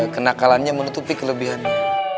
kenakalannya menutupi kelebihannya